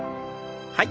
はい。